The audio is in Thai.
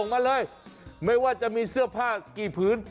มาเลยไม่ว่าจะมีเสื้อผ้ากี่พื้น